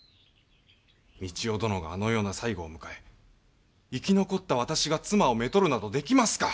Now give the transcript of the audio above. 三千代殿があのような最期を迎え生き残った私が妻を娶るなどできますか！